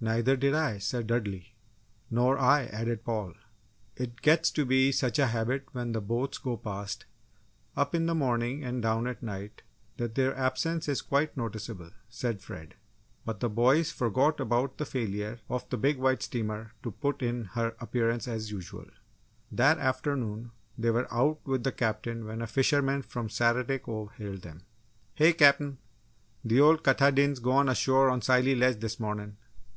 "Neither did I," said Dudley. "Nor I," added Paul. "It gets to be such a habit when the boats go past up in the morning and down at night that their absence is quite noticeable," said Fred. But the boys forgot about the failure of the big white steamer to put in her appearance as usual. That afternoon, they were out with the Captain when a fisherman from Saturday Cove hailed them. "Hey! Cap'n! Th' Ol' Katahdin's gone ashore on Scilly Ledge, this mornin'!"